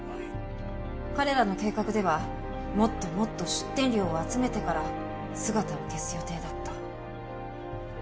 彼らの計画ではもっともっと出店料を集めてから姿を消す予定だった。